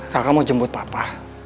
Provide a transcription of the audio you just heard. kakak mau jemput papa